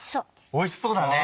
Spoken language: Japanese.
おいしそうだね。